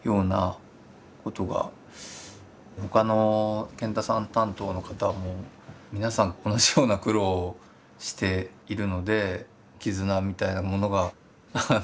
他の賢太さん担当の方も皆さん同じような苦労をしているので絆みたいなものが。